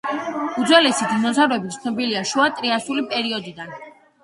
უძველესი დინოზავრები ცნობილია შუა ტრიასული პერიოდიდან.